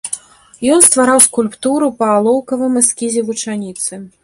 Ён ствараў скульптуру па алоўкавым эскізе вучаніцы.